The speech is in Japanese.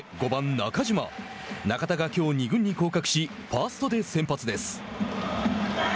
中田がきょう２軍に降格しファーストで先発です。